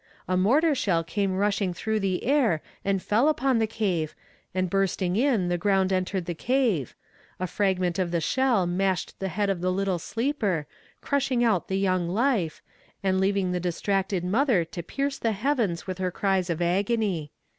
A mortar shell came rushing through the air, and fell upon the cave, and bursting in the ground entered the cave; a fragment of the shell mashed the head of the little sleeper, crushing out the young life, and leaving the distracted mother to pierce the heavens with her cries of agony."